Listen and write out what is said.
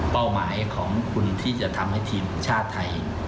หมายของคุณที่จะทำให้ทีมชาติไทย